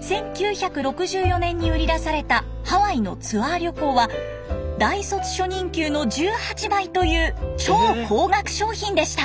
１９６４年に売り出されたハワイのツアー旅行は大卒初任給の１８倍という超高額商品でした。